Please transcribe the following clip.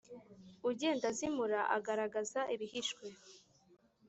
ugenda azimura agaragaza ibihishwe